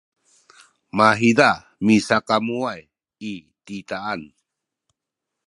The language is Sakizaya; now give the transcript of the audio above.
mahiza misakamuway i titaan